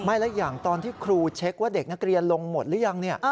ไม่แล้วอย่างตอนที่ครูเช็คว่าเด็กนักเรียนลงหมดหรือยัง